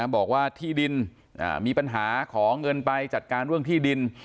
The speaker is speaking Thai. บอกว่าที่ดินมีปัญหาขอเงินไปจัดการเรื่องที่ดิน